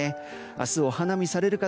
明日、お花見される方